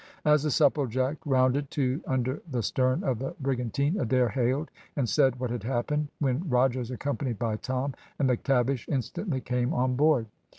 As the Supplejack rounded to under the stern of the brigantine, Adair hailed and said what had happened, when Rogers, accompanied by Tom and McTavish, instantly came on board.